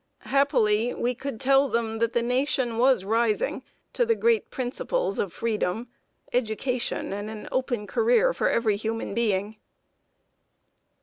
Happily we could tell them that the Nation was rising to the great principles of Freedom, Education, and an open Career for every human being.